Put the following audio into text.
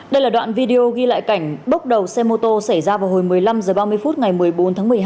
đây là đoạn video ghi lại cảnh bốc đầu xe mô tô xảy ra vào hồi một mươi năm h ba mươi phút ngày một mươi bốn tháng một mươi hai